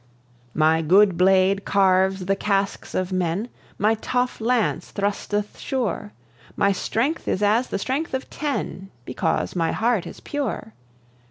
My good blade carves the casques of men, My tough lance thrusteth sure, My strength is as the strength of ten, Because my heart is pure.